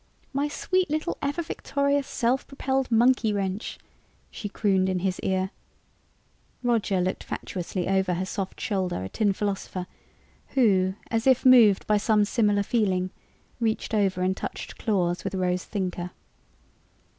"My sweet little ever victorious, self propelled monkey wrench!" she crooned in his ear. Roger looked fatuously over her soft shoulder at Tin Philosopher who, as if moved by some similar feeling, reached over and touched claws with Rose Thinker.